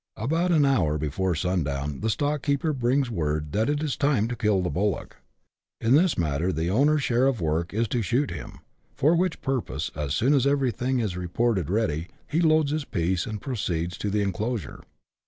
About an hour before sundown the stockkeeper brings word that it is time to kill the bullock. In this matter the owner's share of the work is to shoot him, for which purpose, as soon as everything is reported ready, he loads his piece, and proceeds to the enclosure.